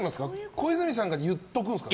小泉さんが言ったんですか？